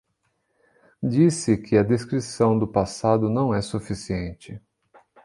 Diz-se que a descrição do passado não é suficiente